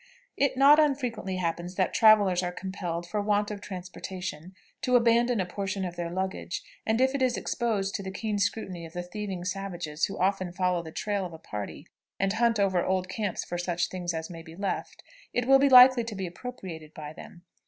It not unfrequently happens that travelers are compelled, for want of transportation, to abandon a portion of their luggage, and if it is exposed to the keen scrutiny of the thieving savages who often follow the trail of a party, and hunt over old camps for such things as may be left, it will be likely to be appropriated by them.